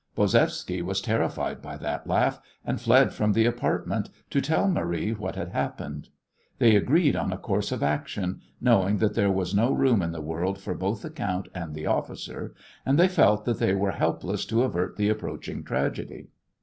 Bozevsky was terrified by that laugh, and fled from the apartment to tell Marie what had happened. They agreed on a course of action, knowing that there was no room in the world for both the count and the officer, and they felt that they were helpless to avert the approaching tragedy.